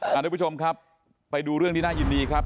ทุกผู้ชมครับไปดูเรื่องที่น่ายินดีครับ